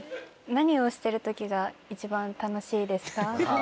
何をしてる時が一番楽しいですか？